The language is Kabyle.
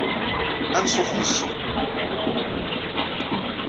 Ansuf yis-m.